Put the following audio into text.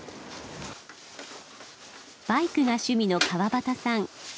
バイクが趣味の川端さん。